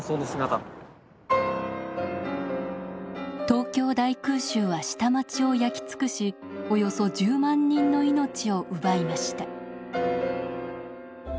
東京大空襲は下町を焼き尽くしおよそ１０万人の命を奪いました。